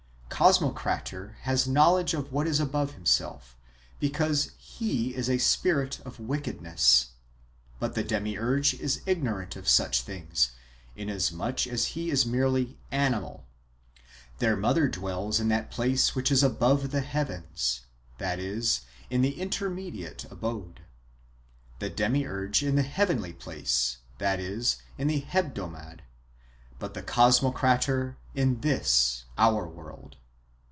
Cosmocrator has knowledge of what is above himself, because he is a spirit of wickedness ; but the Demiurge is ignorant of such things, inasmuch as he is merely animal. Their mother dwells in that place wdiich is above the heavens, that is, in the intermediate abode ; the Demiurge in the heavenly place, that is, in the hebdomad ; but the Cosmocrator in this our world.